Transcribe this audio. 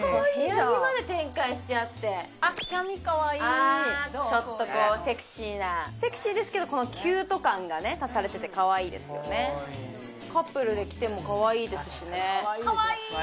部屋着まで展開しちゃってあっキャミかわいいちょっとこうセクシーなセクシーですけどこのキュート感がね足されててかわいいですよねかわいいねえ